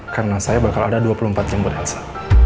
karena saya bakal ada dua puluh empat jam buat elsa